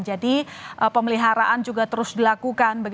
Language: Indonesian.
jadi pemeliharaan juga terus dilakukan